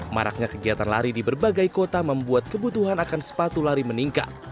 maraknya kegiatan lari di berbagai kota membuat kebutuhan akan sepatu lari meningkat